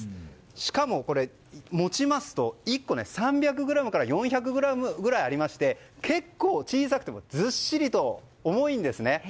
しかも、持ちますと１個３００ｇから４００ｇぐらいありまして結構、小さくてもずっしりと重いんですね。